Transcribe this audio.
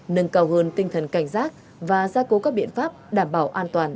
nâng cao hơn tinh thần cảnh sát và ra cố các biện pháp đảm bảo an toàn